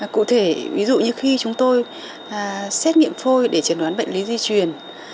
cụ thể ví dụ như khi chúng tôi xét nghiệm phôi để chẩn đoán bệnh lý di truyền